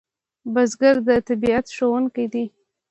بزګر د طبیعت ښوونکی دی